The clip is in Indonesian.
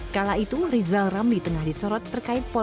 kala itu rizal ramli tengah disorot terkait polemik